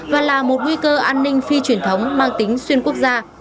và là một nguy cơ an ninh phi truyền thống mang tính xuyên quốc gia